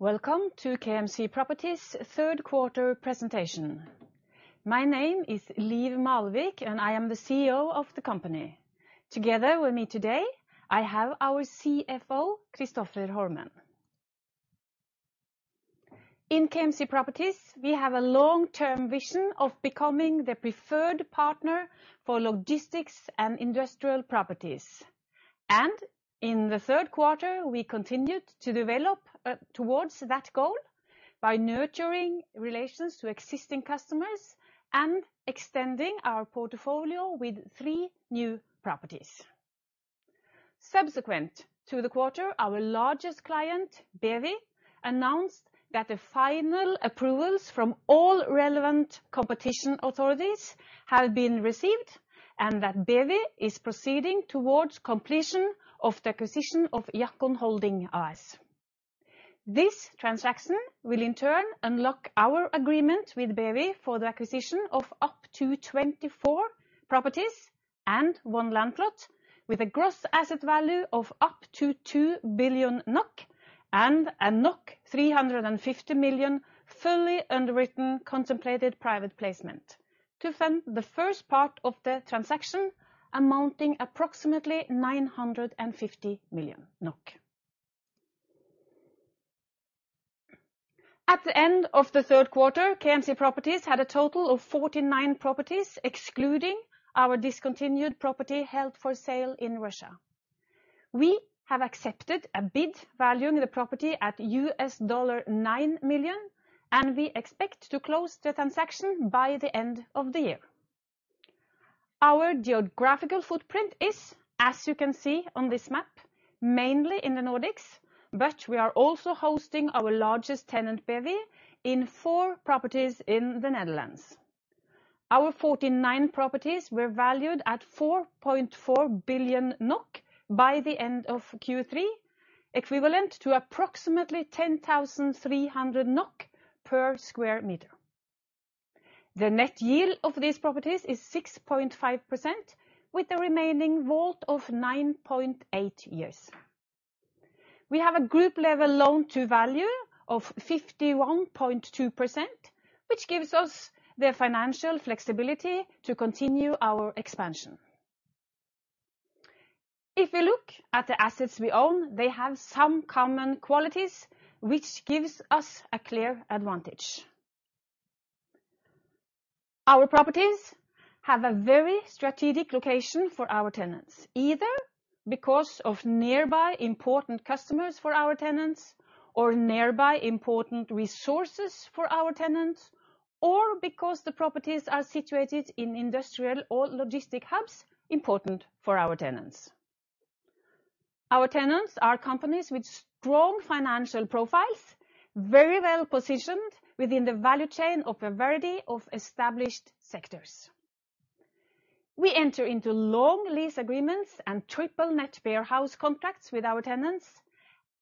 Welcome to KMC Properties third quarter presentation. My name is Liv Malvik, and I am the CEO of the company. Together with me today, I have our CFO, Kristoffer Holmen. In KMC Properties, we have a long-term vision of becoming the preferred partner for logistics and industrial properties. In the third quarter, we continued to develop towards that goal by nurturing relations to existing customers and extending our portfolio with three new properties. Subsequent to the quarter, our largest client, BEWI, announced that the final approvals from all relevant competition authorities have been received and that BEWI is proceeding towards completion of the acquisition of Jackon Holding AS. This transaction will in turn unlock our agreement with BEWI for the acquisition of up to 24 properties and one land plot with a gross asset value of up to 2 billion NOK and a 350 million fully underwritten contemplated private placement to fund the first part of the transaction amounting approximately NOK 950 million. At the end of the third quarter, KMC Properties had a total of 49 properties, excluding our discontinued property held for sale in Russia. We have accepted a bid valuing the property at $9 million, and we expect to close the transaction by the end of the year. Our geographical footprint is, as you can see on this map, mainly in the Nordics, but we are also hosting our largest tenant, BEWI, in four properties in the Netherlands. Our 49 properties were valued at 4.4 billion NOK by the end of Q3, equivalent to approximately 10,300 NOK per sq m. The net yield of these properties is 6.5% with the remaining WAULT of 9.8 years. We have a group level loan-to-value of 51.2% which gives us the financial flexibility to continue our expansion. If you look at the assets we own, they have some common qualities which gives us a clear advantage. Our properties have a very strategic location for our tenants, either because of nearby important customers for our tenants, or nearby important resources for our tenants, or because the properties are situated in industrial or logistic hubs important for our tenants. Our tenants are companies with strong financial profiles, very well-positioned within the value chain of a variety of established sectors. We enter into long lease agreements and triple-net warehouse contracts with our tenants,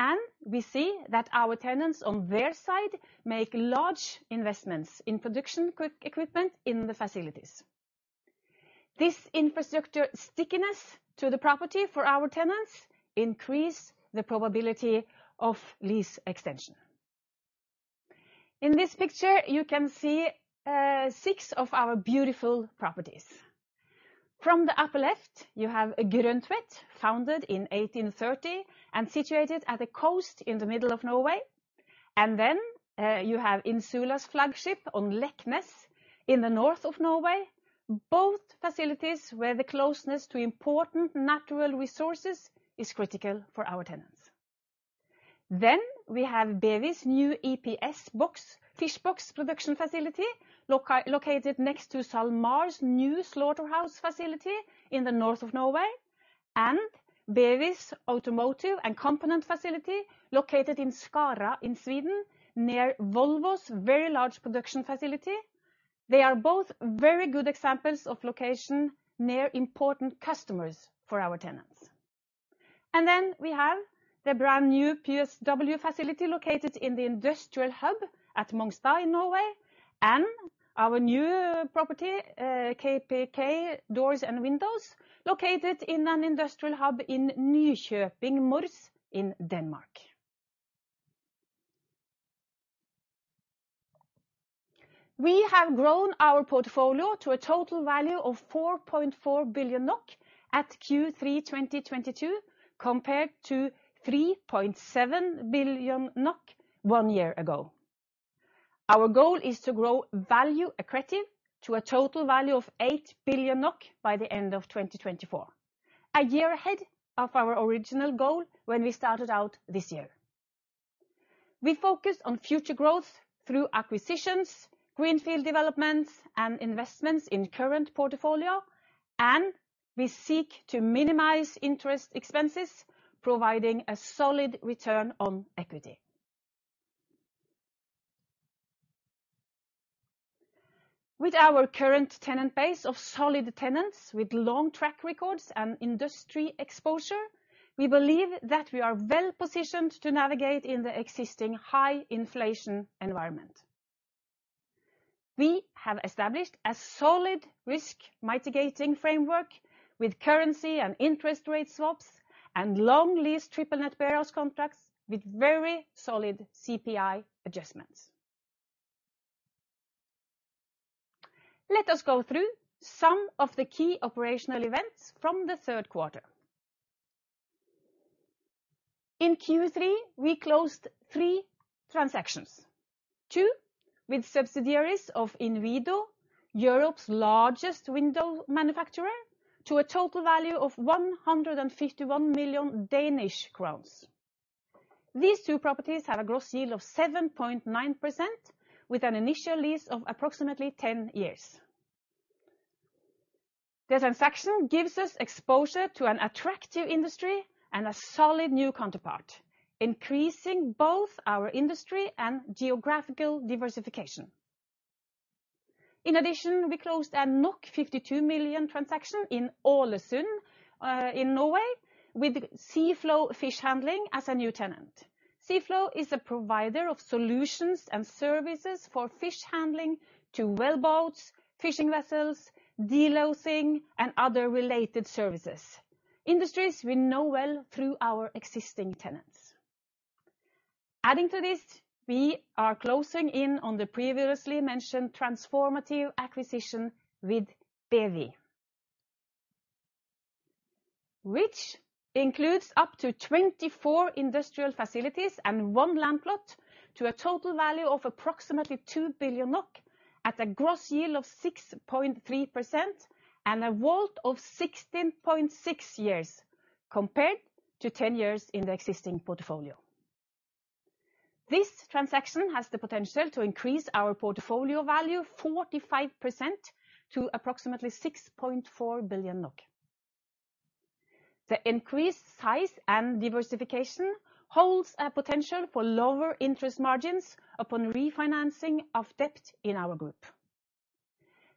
and we see that our tenants on their side make large investments in production equipment in the facilities. This infrastructure stickiness to the property for our tenants increase the probability of lease extension. In this picture, you can see six of our beautiful properties. From the upper left, you have Grøntvedt, founded in 1830 and situated at the coast in the middle of Norway. You have Insula's flagship on Leknes in the north of Norway, both facilities where the closeness to important natural resources is critical for our tenants. We have BEWI's new EPS box, fish box production facility located next to SalMar's new slaughterhouse facility in the north of Norway and BEWI's automotive and component facility located in Skara in Sweden, near Volvo's very large production facility. They are both very good examples of location near important customers for our tenants. We have the brand-new PSW facility located in the industrial hub at Mongstad in Norway and our new property, KPK Døre og Vinduer, located in an industrial hub in Nykøbing Mors in Denmark. We have grown our portfolio to a total value of 4.4 billion NOK at Q3 2022 compared to 3.7 billion NOK one year ago. Our goal is to grow value accretive to a total value of 8 billion NOK by the end of 2024, a year ahead of our original goal when we started out this year. We focus on future growth through acquisitions, greenfield developments, and investments in current portfolio, and we seek to minimize interest expenses, providing a solid return on equity. With our current tenant base of solid tenants with long track records and industry exposure, we believe that we are well-positioned to navigate in the existing high inflation environment. We have established a solid risk mitigating framework with currency and interest rate swaps and long lease triple-net barehouse contracts with very solid CPI adjustments. Let us go through some of the key operational events from the third quarter. In Q3, we closed three transactions. Two with subsidiaries of Inwido, Europe's largest window manufacturer, to a total value of 151 million Danish crowns. These two properties have a gross yield of 7.9%, with an initial lease of approximately 10 years. The transaction gives us exposure to an attractive industry and a solid new counterpart, increasing both our industry and geographical diversification. In addition, we closed a 52 million transaction in Ålesund in Norway with Cflow Fish Handling as a new tenant. Cflow is a provider of solutions and services for fish handling to well boats, fishing vessels, delousing and other related services. Industries we know well through our existing tenants. Adding to this, we are closing in on the previously mentioned transformative acquisition with BEWI, which includes up to 24 industrial facilities and one land plot to a total value of approximately 2 billion NOK at a gross yield of 6.3% and a WAULT of 16.6 years compared to 10 years in the existing portfolio. This transaction has the potential to increase our portfolio value 45% to approximately 6.4 billion. The increased size and diversification holds a potential for lower interest margins upon refinancing of debt in our group.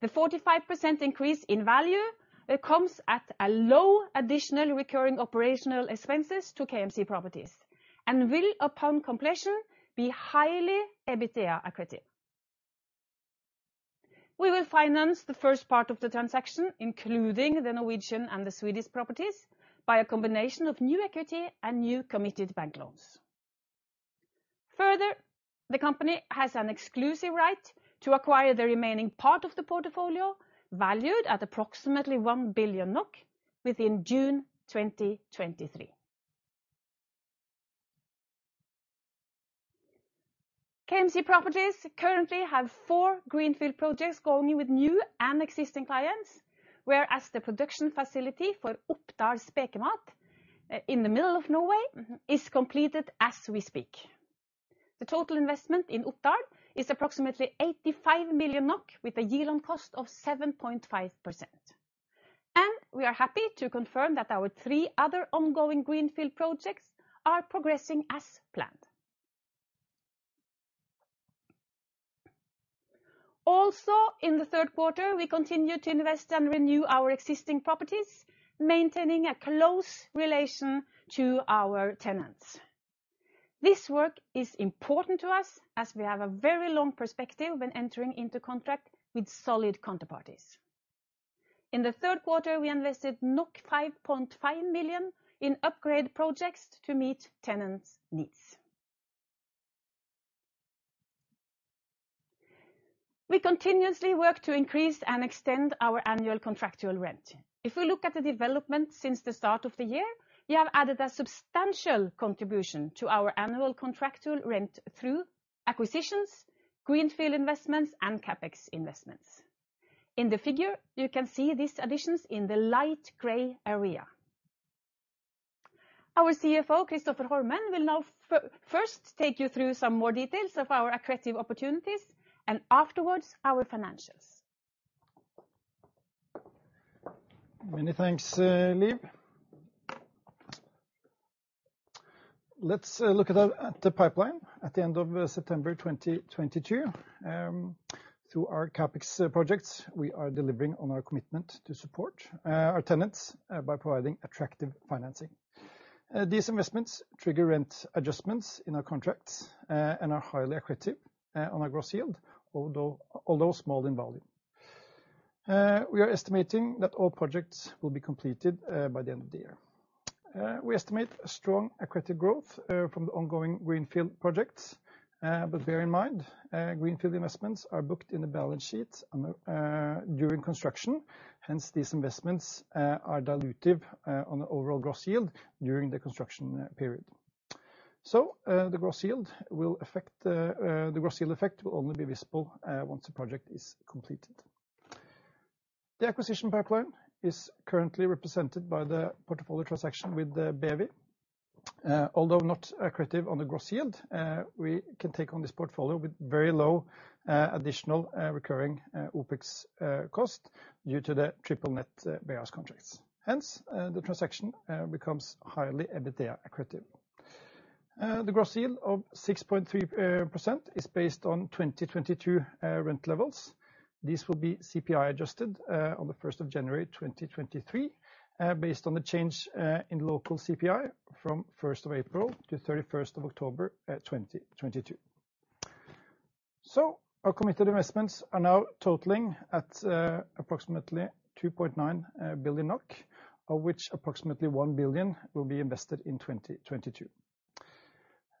The 45% increase in value comes at a low additional recurring operational expenses to KMC Properties and will, upon completion, be highly EBITDA accretive. We will finance the first part of the transaction, including the Norwegian and the Swedish properties, by a combination of new equity and new committed bank loans. Further, the company has an exclusive right to acquire the remaining part of the portfolio, valued at approximately 1 billion NOK within June 2023. KMC Properties currently have four greenfield projects going with new and existing clients, whereas the production facility for Oppdal Spekemat in the middle of Norway is completed as we speak. The total investment in Oppdal is approximately 85 million NOK with a yield on cost of 7.5%. We are happy to confirm that our three other ongoing greenfield projects are progressing as planned. Also in the third quarter, we continued to invest and renew our existing properties, maintaining a close relation to our tenants. This work is important to us as we have a very long perspective when entering into contract with solid counterparties. In the third quarter, we invested 5.5 million in upgrade projects to meet tenants' needs. We continuously work to increase and extend our annual contractual rent. If we look at the development since the start of the year, we have added a substantial contribution to our annual contractual rent through acquisitions, greenfield investments, and CapEx investments. In the figure, you can see these additions in the light gray area. Our CFO, Kristoffer Holmen, will now first take you through some more details of our accretive opportunities and afterwards, our financials. Many thanks, Liv. Let's look at the pipeline at the end of September 2022. Through our CapEx projects, we are delivering on our commitment to support our tenants by providing attractive financing. These investments trigger rent adjustments in our contracts and are highly accretive on our gross yield, although small in value. We are estimating that all projects will be completed by the end of the year. We estimate a strong accretive growth from the ongoing greenfield projects. Bear in mind greenfield investments are booked in the balance sheet during construction. Hence, these investments are dilutive on the overall gross yield during the construction period. The gross yield will affect the. The gross yield effect will only be visible once the project is completed. The acquisition pipeline is currently represented by the portfolio transaction with the BEWI. Although not accretive on the gross yield, we can take on this portfolio with very low additional recurring OpEx cost due to the triple-net barehouse contracts. Hence, the transaction becomes highly EBITDA accretive. The gross yield of 6.3% is based on 2022 rent levels. This will be CPI adjusted on the 1st of January 2023, based on the change in local CPI from first of April to thirty-first of October 2022. Our committed investments are now totaling at approximately 2.9 billion NOK, of which approximately 1 billion will be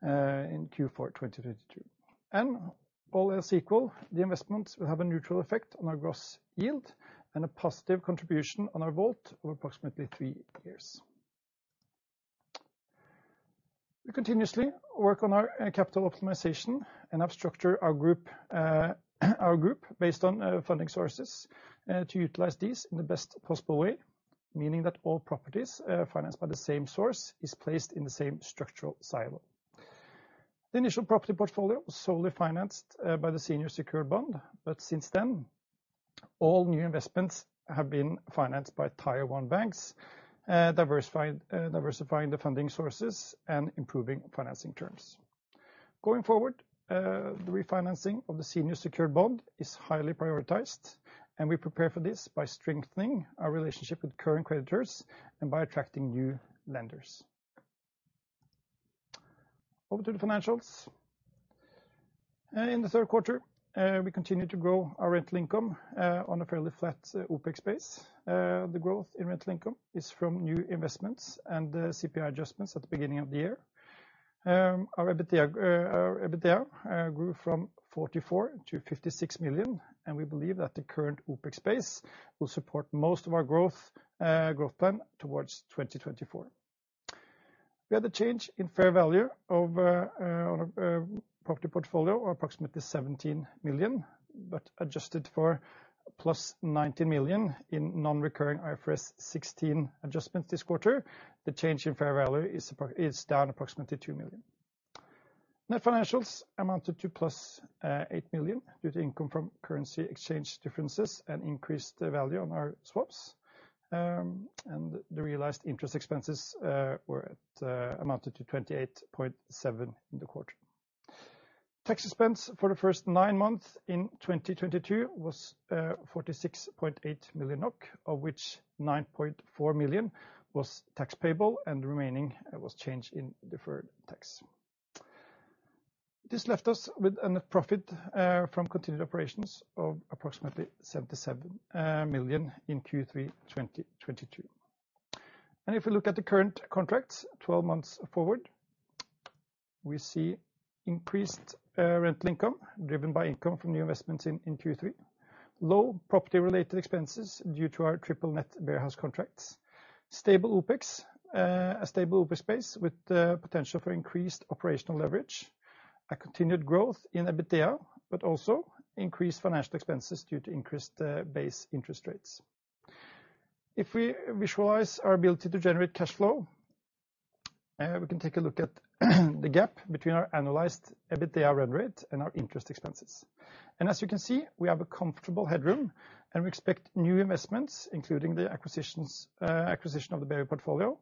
invested in 2022, in Q4 2022. All else equal, the investments will have a neutral effect on our gross yield and a positive contribution on our WAULT of approximately three years. We continuously work on our capital optimization and have structured our group based on funding sources to utilize these in the best possible way, meaning that all properties financed by the same source is placed in the same structural silo. The initial property portfolio was solely financed by the senior secured bond, but since then, all new investments have been financed by Tier 1 banks, diversifying the funding sources and improving financing terms. Going forward, the refinancing of the senior secured bond is highly prioritized, and we prepare for this by strengthening our relationship with current creditors and by attracting new lenders. Over to the financials. In the third quarter, we continued to grow our rental income on a fairly flat OpEx base. The growth in rental income is from new investments and the CPI adjustments at the beginning of the year. Our EBITDA grew from 44 million to 56 million, and we believe that the current OpEx base will support most of our growth plan towards 2024. We had a change in fair value on our property portfolio of approximately 17 million, but adjusted for plus 19 million in non-recurring IFRS 16 adjustments this quarter. The change in fair value is down approximately 2 million. Net financials amounted to +8 million due to income from currency exchange differences and increased the value on our swaps. The realized interest expenses amounted to 28.7 million in the quarter. Tax expense for the first nine months in 2022 was 46.8 million NOK, of which 9.4 million was tax payable and the remaining was change in deferred tax. This left us with a net profit from continued operations of approximately 77 million in Q3 2022. If we look at the current contracts 12 months forward, we see increased rental income driven by income from new investments in Q3. Low property-related expenses due to our triple-net warehouse contracts. Stable OpEx. A stable OpEx base with the potential for increased operational leverage. A continued growth in EBITDA, but also increased financial expenses due to increased base interest rates. If we visualize our ability to generate cash flow, we can take a look at the gap between our analyzed EBITDA run rate and our interest expenses. As you can see, we have a comfortable headroom, and we expect new investments, including the acquisition of the BEWI portfolio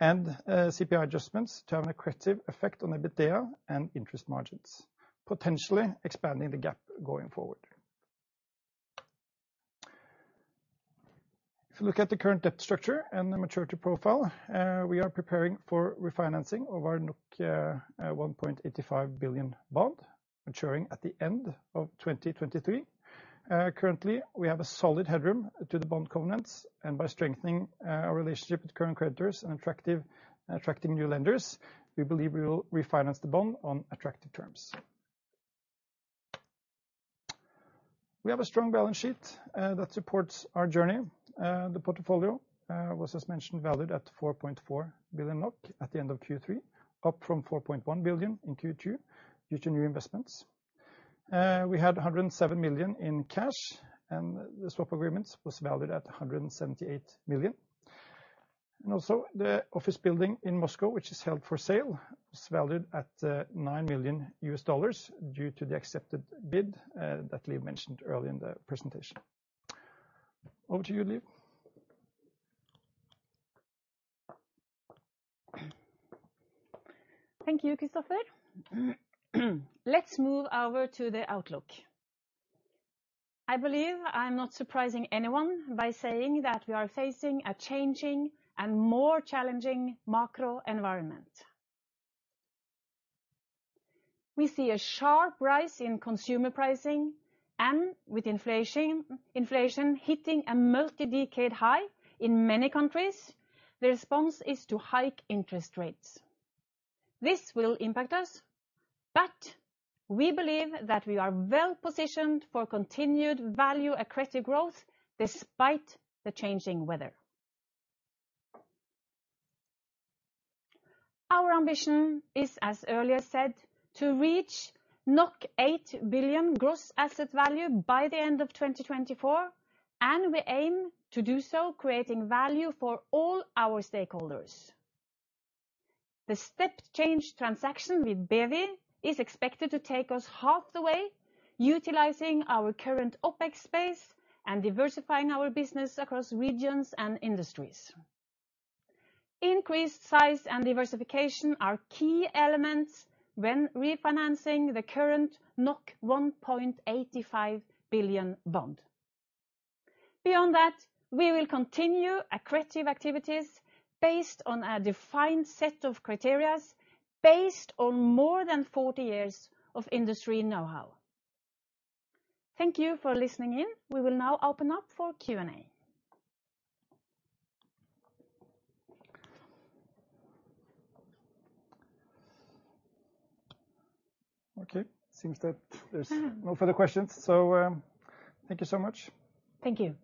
and CPI adjustments to have an accretive effect on EBITDA and interest margins, potentially expanding the gap going forward. If you look at the current debt structure and the maturity profile, we are preparing for refinancing of our 1.85 billion bond maturing at the end of 2023. Currently, we have a solid headroom to the bond covenants, and by strengthening our relationship with current creditors and attracting new lenders, we believe we will refinance the bond on attractive terms. We have a strong balance sheet that supports our journey. The portfolio was, as mentioned, valued at 4.4 billion NOK at the end of Q3, up from 4.1 billion in Q2 due to new investments. We had 107 million in cash, and the swap agreements were valued at 178 million. Also the office building in Moscow, which is held for sale, was valued at $9 million due to the accepted bid that Liv mentioned earlier in the presentation. Over to you, Liv. Thank you, Kristoffer. Let's move over to the outlook. I believe I'm not surprising anyone by saying that we are facing a changing and more challenging macro environment. We see a sharp rise in consumer pricing, and with inflation hitting a multi-decade high in many countries, the response is to hike interest rates. This will impact us, but we believe that we are well positioned for continued value accretive growth despite the changing weather. Our ambition is, as earlier said, to reach 8 billion gross asset value by the end of 2024, and we aim to do so creating value for all our stakeholders. The step change transaction with BEWI is expected to take us half the way, utilizing our current OpEx base and diversifying our business across regions and industries. Increased size and diversification are key elements when refinancing the current 1.85 billion bond. Beyond that, we will continue accretive activities based on a defined set of criteria based on more than 40 years of industry know-how. Thank you for listening in. We will now open up for Q and A. Okay. Seems that there's no further questions. Thank you so much. Thank you.